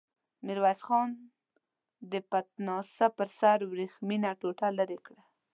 ميرويس خان د پتناسه پر سر ورېښمينه ټوټه ليرې کړه.